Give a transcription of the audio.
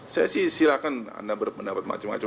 saya sih silahkan anda berpendapat macam macam